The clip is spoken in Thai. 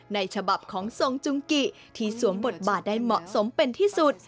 ในฉบับของทรงจุงกิที่สวมบทบาทได้เหมาะสมเป็นที่สุด